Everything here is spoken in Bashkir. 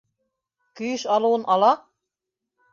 Көйөш алыуын ала...